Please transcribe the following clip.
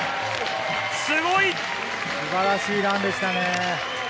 すごい！素晴らしいランでした。